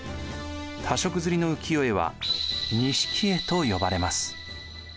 多色刷りの浮世絵は錦絵と呼ばれます。